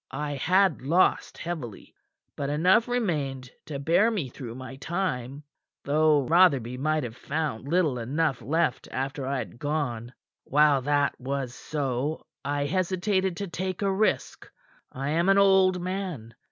I had lost heavily. But enough remained to bear me through my time, though Rotherby might have found little enough left after I had gone. While that was so, I hesitated to take a risk. I am an old man.